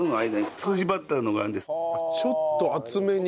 ちょっと厚めに。